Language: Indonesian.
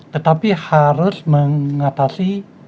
tetapi harus mengatasi